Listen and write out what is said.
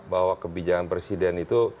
bahwa kebijakan presiden itu